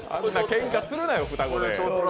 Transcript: けんかするなよ、双子で。